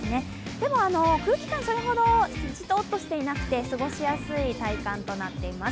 でも、空気感それほどじとっとしていなくて、過ごしやすい体感となっています。